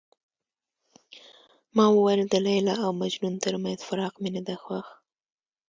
ما وویل د لیلا او مجنون ترمنځ فراق مې نه دی خوښ.